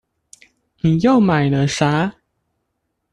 你又買了啥？